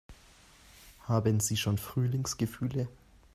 Haben Sie schon Frühlingsgefühle?